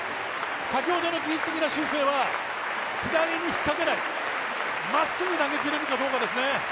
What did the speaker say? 先ほどの技術的な修正は左に引っかけない、まっすぐ投げてくるかどうかですね。